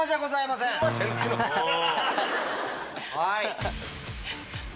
はい。